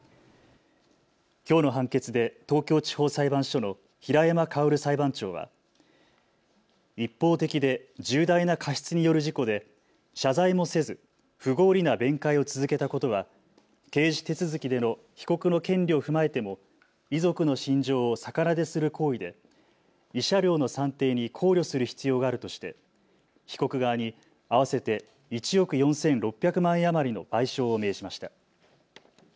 きょうの判決で東京地方裁判所の平山馨裁判長は一方的で重大な過失による事故で謝罪もせず、不合理な弁解を続けたことは刑事手続きでの被告の権利を踏まえても遺族の心情を逆なでする行為で慰謝料の算定に考慮する必要があるとして被告側に合わせて１億４６００万円余りの賠償を命じました。